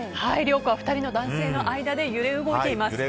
亮子は２人の男性の間で揺れ動いています。